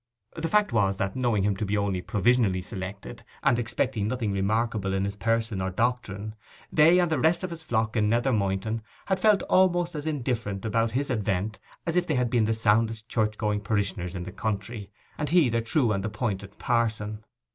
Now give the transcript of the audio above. The fact was that, knowing him to be only provisionally selected, and expecting nothing remarkable in his person or doctrine, they and the rest of his flock in Nether Moynton had felt almost as indifferent about his advent as if they had been the soundest church going parishioners in the country, and he their true and appointed parson.